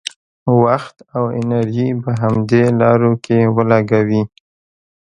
وخت او انرژي په همدې لارو کې ولګوي.